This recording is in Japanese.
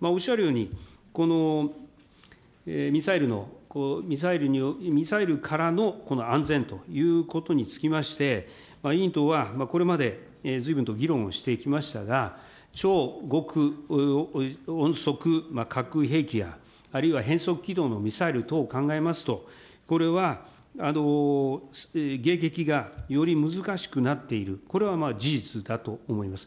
おっしゃるように、このミサイルからの安全ということにつきまして、委員とはこれまでずいぶんと議論をしてきましたが、超極音速核兵器や、あるいは変則軌道のミサイル等を考えますと、これは迎撃がより難しくなっている、これは事実だと思います。